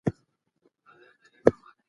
د ځمکې اتموسفیر کوچنۍ تیږې په بشپړ ډول سوځوي.